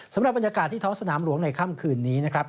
สำหรับบรรยากาศที่ท้องสนามหลวงในค่ำคืนนี้นะครับ